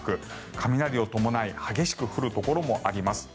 雷を伴い激しく降るところもあります。